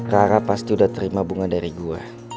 rara pasti udah terima bunga dari gua